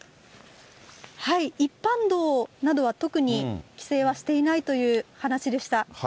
一般道などは特に規制はしていないという話でした。